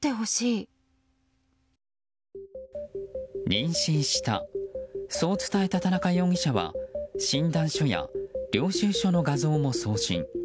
妊娠したそう伝えた田中容疑者は診断書や領収書の画像も送信。